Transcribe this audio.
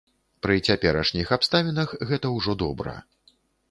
Пры цяперашніх абставінах, гэта ўжо добра.